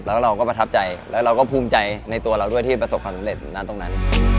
แล้วเราก็ประทับใจแล้วเราก็ภูมิใจในตัวเราด้วยที่ประสบความสำเร็จตรงนั้น